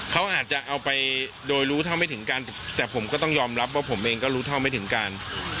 เขาอาจจะเอาไปโดยรู้เท่าไม่ถึงการแต่ผมก็ต้องยอมรับว่าผมเองก็รู้เท่าไม่ถึงการ